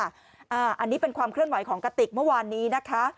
อันนี้เป็นความเคลื่อนไหวของกระติกเมื่อวานนี้นะคะ